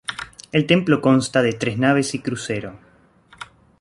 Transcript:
El templo consta de tres naves y crucero.